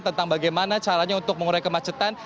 tentang bagaimana caranya untuk mengurai kemacetan